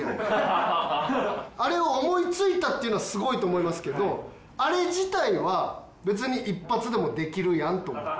あれを思いついたっていうのはすごいと思いますけどあれ自体は別に一発でもできるやんと思って。